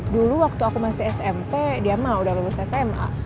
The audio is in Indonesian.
dulu waktu aku masih smp dia mah udah lulus sma